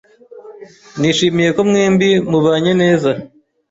Nishimiye ko mwembi mubanye neza.